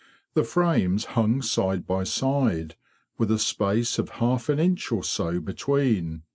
The frames hung side by side, with a space of half an inch or so between.